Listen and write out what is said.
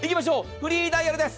フリーダイヤルです。